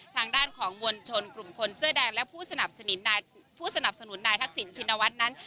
ทางด้านของมวลชนกลุ่มคนเสื้อแดงและผู้สนับสนุนผู้สนับสนุนนายทักษิณชินวัฒน์นั้น